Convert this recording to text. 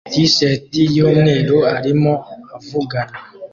t-shirt yumweru arimo avugana